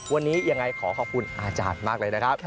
วันนี้ยังไงขอขอบคุณอาจารย์มากเลยนะครับ